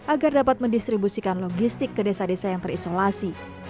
agar dapat mendistribusikan logistik ke desa desa yang terisolasi